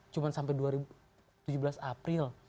cuma sampai dua ribu tujuh belas april